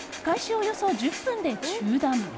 およそ１０分で中断。